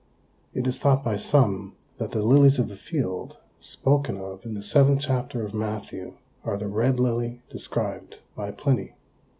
It is thought by some that the "lilies of the field," spoken of in the seventh chapter of Matthew, are the red lily described by Pliny.